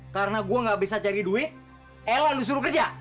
karena gua gak bisa cari duit ella disuruh kerja